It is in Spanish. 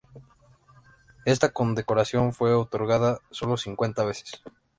Esta condecoración fue otorgada sólo cincuenta veces.